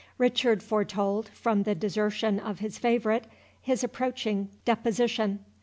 Richard foretold, from the desertion of his favourite, his approaching deposition.